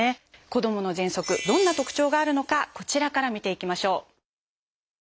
子どものぜんそくどんな特徴があるのかこちらから見ていきましょう。